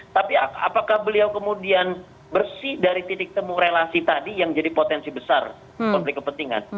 tapi apakah beliau kemudian bersih dari titik temu relasi tadi yang jadi potensi besar konflik kepentingan